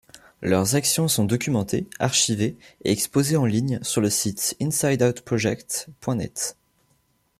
Leurs actions sont documentées, archivées et exposées en ligne sur le site insideoutproject.net.